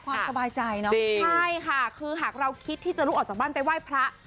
ความสบายใจเนอะใช่ค่ะคือหากเราคิดที่จะลุกออกจากบ้านไปไหว้พระ